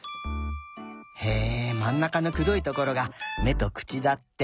へえまんなかのくろいところがめとくちだって。